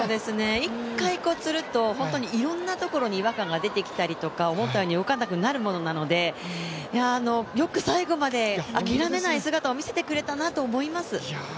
一回つると、本当にいろんなところに違和感が出てきたりとか思ったように動かなくなるものなのでよく最後まで諦めない姿を見せてくれたなと思います。